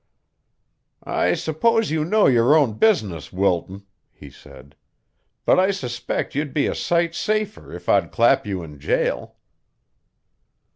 "I suppose you know your own business, Wilton," he said, "but I suspect you'd be a sight safer if I'd clap you in jail."